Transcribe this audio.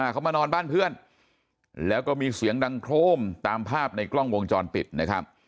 เขามานอนบ้านเพื่อนแล้วก็มีเสียงดังโครมตามภาพในกล้องวงจรปิดนะครับ